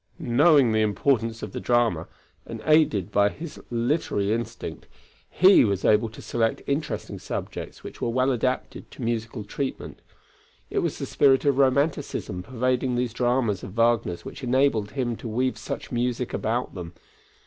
Knowing the importance of the drama, and aided by his literary instinct, he was able to select interesting subjects which were well adapted to musical treatment. It was the spirit of romanticism pervading these dramas of Wagner's which enabled him to weave such music about them.